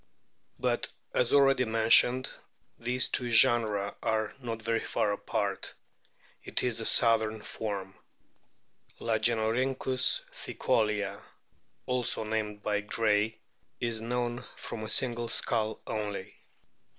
But, as already mentioned, these two genera are not very far apart ; it is a southern form. Lagenorkynckus tkicolea, also named by Gray,f is known from a single skull only.